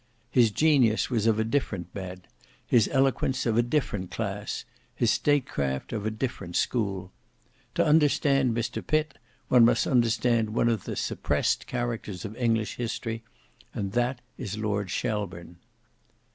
His genius was of a different bent, his eloquence of a different class, his state craft of a different school. To understand Mr Pitt, one must understand one of the suppressed characters of English history, and that is Lord Shelburne.